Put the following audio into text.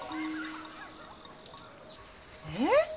えっ？